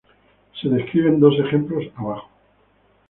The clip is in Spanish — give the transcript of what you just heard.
Se describen dos ejemplos abajo.